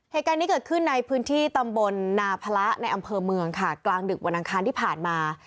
เหตุการณ์นี้เกิดขึ้นในพื้นที่ตำบลนาพระในอำเภอเมืองค่ะกลางดึกวันอังคารที่ผ่านมา